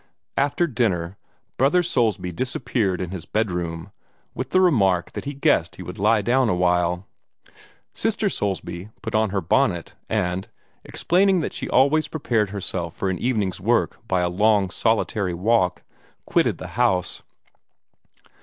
After dinner, Brother Soulsby disappeared in his bedroom, with the remark that he guessed he would lie down awhile. Sister Soulsby put on her bonnet, and, explaining that she always prepared herself for an evening's work by a long solitary walk, quitted the house.